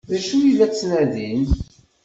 D acu ay la ttnadin?